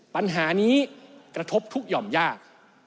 ปัญหานี้กระทบทุกหย่อมยาก